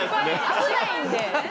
危ないんで。